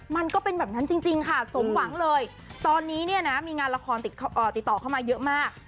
มันก็เป็นแบบนั้นจริงค่ะสมหวังเลยตอนนี้เนี่ยนะมีงานละครติดต่อเข้ามาเยอะมาก